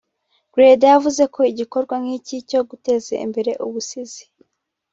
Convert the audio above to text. Grieder yavuze ko igikorwa nk’iki cyo guteza imbere ubusizi